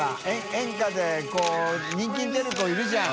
）演歌で人気出る子いるじゃん。